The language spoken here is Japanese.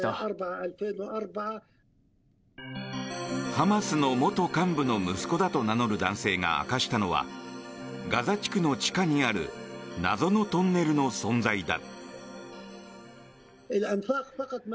ハマスの元幹部の息子だと名乗る男性が明かしたのはガザ地区の地下にある謎のトンネルの存在だ。